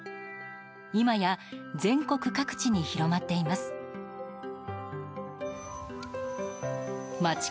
今や全国各地に広まっています。